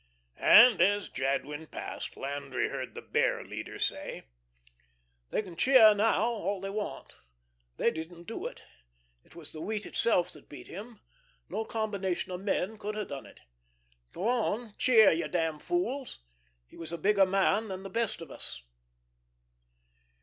And as Jadwin passed, Landry heard the Bear leader say: "They can cheer now, all they want. They didn't do it. It was the wheat itself that beat him; no combination of men could have done it go on, cheer, you damn fools! He was a bigger man than the best of us."